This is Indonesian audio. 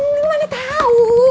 ya mana tahu